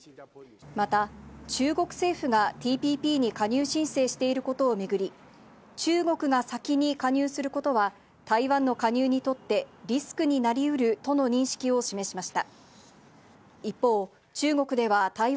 また中国政府がＴＰＰに加入申請していることを巡り、中国が先に加入することは、台湾の加入にとってリスクになりうるとの認識を示しました。